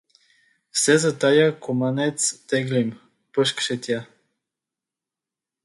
Все за тоя куманец теглим — пъшкаше тя.